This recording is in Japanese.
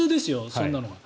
そんなのは。